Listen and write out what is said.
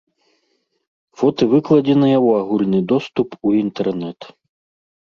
Фоты выкладзеныя ў агульны доступ у інтэрнэт.